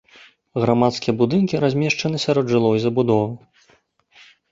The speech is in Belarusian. Грамадскія будынкі размешчаны сярод жылой забудовы.